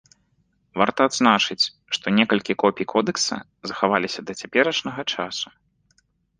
Варта адзначыць, што некалькі копій кодэкса захаваліся да цяперашняга часу.